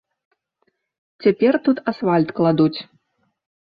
Цяпер тут асфальт кладуць.